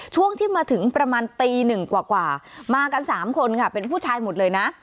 ช่วงที่มาถึงประมาณตีหนึ่งกว่ามากัน๓คนค่ะเป็นผู้ชายหมดเลยนะ